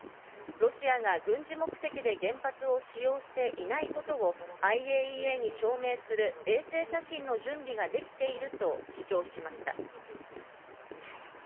ロシアが軍事目的で原発を使用していないことをＩＡＥＡに証明する衛星写真の準備ができていると主張しました。